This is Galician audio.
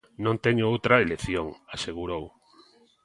Non teño outra elección, asegurou.